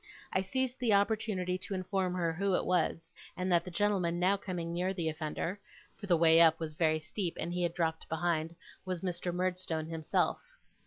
I seized the opportunity to inform her who it was; and that the gentleman now coming near the offender (for the way up was very steep, and he had dropped behind), was Mr. Murdstone himself.